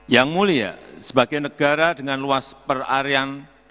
yang mulia sebagai negara dengan luas perarian